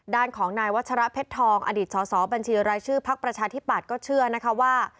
ด้านของนายวัชระเพชรทองอสบชรภภก็เชื่อว่า